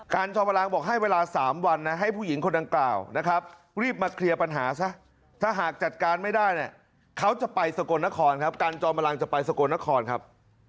การจอมลังจะไปสกนครครับ